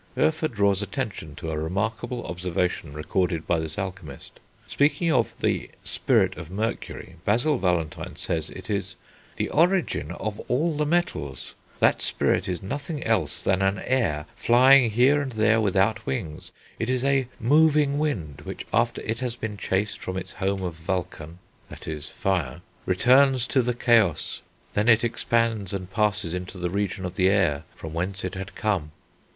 Hoefer draws attention to a remarkable observation recorded by this alchemist. Speaking of the "spirit of mercury," Basil Valentine says it is "the origin of all the metals; that spirit is nothing else than an air flying here and there without wings; it is a moving wind, which, after it has been chased from its home of Vulcan (that is, fire), returns to the chaos; then it expands and passes into the region of the air from whence it had come."